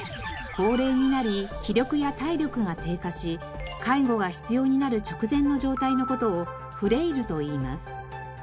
高齢になり気力や体力が低下し介護が必要になる直前の状態の事をフレイルといいます。